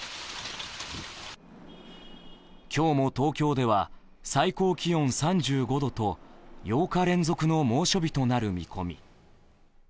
今日も東京では最高気温３５度と８日連続の猛暑日となる見込み。